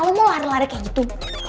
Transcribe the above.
oh mau lari lari kayak gitu